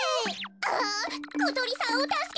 あことりさんをたすけたい。